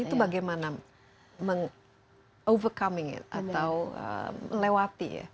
itu bagaimana overcoming it atau melewati ya